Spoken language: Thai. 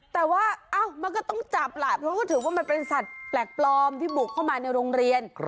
แต่ว่ามันก็ต้องจับแหละเพราะก็ถือว่ามันเป็นสัตว์แปลกปลอมที่บุกเข้ามาในโรงเรียน